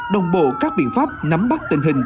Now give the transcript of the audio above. đồng bộ các biện pháp nắm bắt tình hình